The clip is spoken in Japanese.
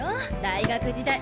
大学時代！